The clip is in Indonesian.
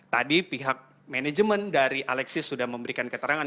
tadi pihak manajemen dari alexis sudah memberikan keterangan